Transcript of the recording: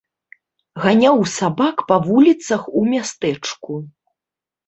Ганяў сабак па вуліцах у мястэчку.